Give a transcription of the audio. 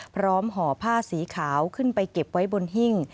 ห่อผ้าสีขาวขึ้นไปเก็บไว้บนหิ้ง